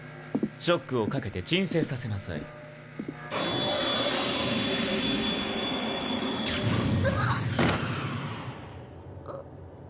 ショックを掛けて鎮静させなさいビリビリッ！